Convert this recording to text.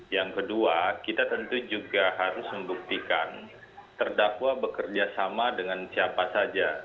yang kedua kita tentu juga harus membuktikan terdakwa bekerja sama dengan siapa saja